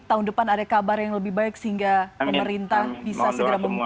tahun depan ada kabar yang lebih baik sehingga pemerintah bisa segera membuka